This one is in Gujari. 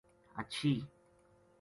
ہچھی